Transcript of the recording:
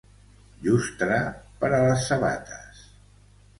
Llustre per a les sabates.